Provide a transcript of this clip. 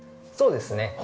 そうですね。